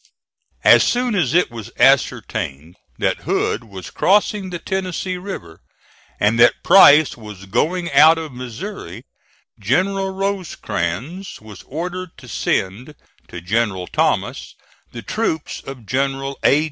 As soon as it was ascertained that Hood was crossing the Tennessee River, and that Price was going out of Missouri, General Rosecrans was ordered to send to General Thomas the troops of General A.